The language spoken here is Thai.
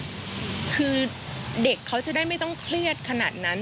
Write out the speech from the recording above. คือเด็กเขาจะได้ไม่ต้องเครียดขนาดนั้น